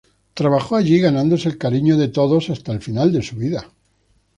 Trabajó allí, ganándose el cariño de todos, hasta el final de su vida.